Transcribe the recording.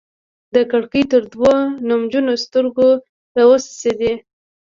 د کړکۍ تر دوو نمجنو ستوګو راوڅڅيدې